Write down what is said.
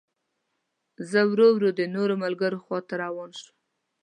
زه ورو ورو د نورو ملګرو خوا ته روان شوم.